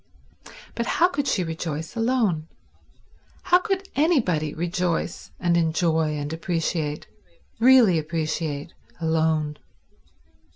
But how could she rejoice alone? How could anybody rejoice and enjoy and appreciate, really appreciate, alone?